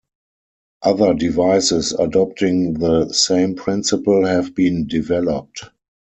Other devices adopting the same principle have been developed.